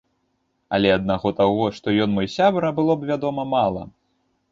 Але аднаго таго, што ён мой сябра, было б, вядома, мала.